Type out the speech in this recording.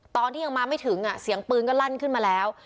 ตอนที่ยังมาไม่ถึงเสียงปืนก็ลั่นขึ้นมาแล้ว